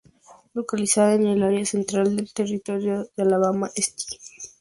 Localizada en el área central del Territorio de Alabama, St.